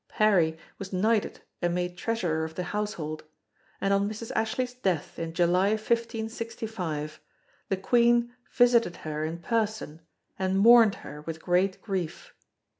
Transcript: Parry was knighted and made Treasurer of the Household, and on Mrs. Ashley's death in July 1565 the Queen visited her in person and mourned her with great grief."